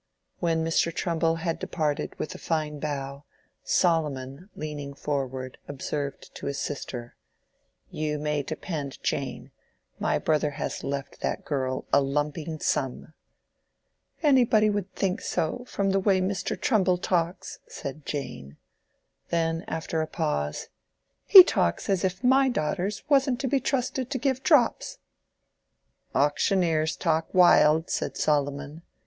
When Mr. Trumbull had departed with a fine bow, Solomon, leaning forward, observed to his sister, "You may depend, Jane, my brother has left that girl a lumping sum." "Anybody would think so, from the way Mr. Trumbull talks," said Jane. Then, after a pause, "He talks as if my daughters wasn't to be trusted to give drops." "Auctioneers talk wild," said Solomon.